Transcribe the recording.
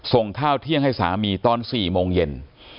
ส่งข้าวเที่ยงให้สามีตอน๔โมงเย็น